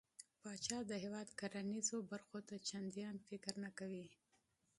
پاچا د هيواد کرنېزو برخو ته چنديان فکر نه کوي .